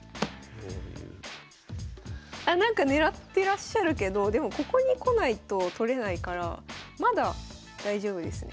あなんか狙ってらっしゃるけどでもここに来ないと取れないからまだ大丈夫です。